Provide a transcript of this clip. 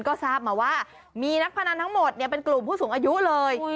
ก็ทราบมาว่ามีนักพนันทั้งหมดเป็นกลุ่มผู้สูงอายุเลย